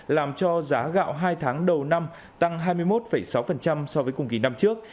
làm cho giá gạo hai tháng đầu năm tăng hai mươi một sáu so với cùng kỳ năm trước